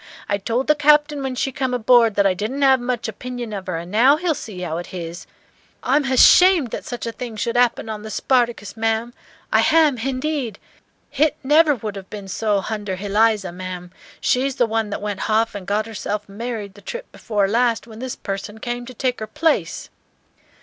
I told the Captain when she come aboard that I didn't 'ave much opinion of her, and now he'll see how it h'is. I'm h'ashamed that such a thing should 'appen on the 'Spartacus,' ma'am, I h'am, h'indeed. H'it never would 'ave ben so h'under h'Eliza, ma'am, she's the one that went h'off and got herself married the trip before last, when this person came to take her place."